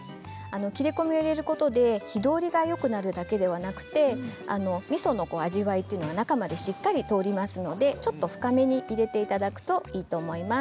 切れ込みを入れることで火通りがよくなるだけではなくてみその味わいが中までしっかり通りますのでちょっと深めに入れていただくといいと思います。